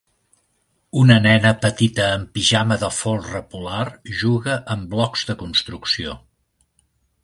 Una nena petita amb pijama de folre polar juga amb blocs de construcció.